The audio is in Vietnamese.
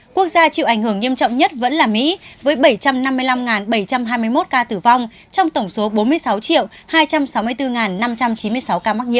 quốc gia chịu ảnh hưởng nghiêm trọng nhất vẫn là mỹ với bảy trăm năm mươi năm bảy trăm hai mươi một ca tử vong trong tổng số bốn mươi sáu hai trăm sáu mươi bốn